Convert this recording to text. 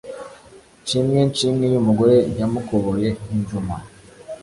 Nshimwe nshimwe y’umugore yamukoboye injuma.